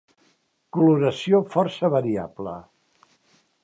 Coloració força variable.